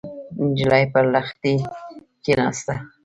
نجلۍ پر لښتي کېناسته.